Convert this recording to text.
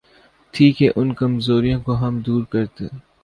تھی کہ ان کمزوریوں کو ہم دور کرتے۔